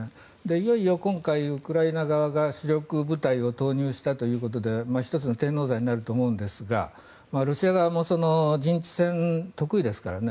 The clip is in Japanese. いよいよ今回、ウクライナ側が主力部隊を投入したということで１つの天王山になると思うんですがロシア側も陣地戦、得意ですからね。